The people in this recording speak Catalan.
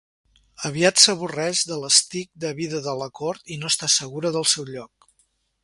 Aviat s'avorreix de l'estic de vida de la cort i no està segura del seu lloc.